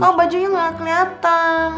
kalo bajunya gak keliatan